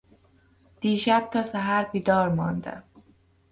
دیشب تا سحر بیدار ماندم.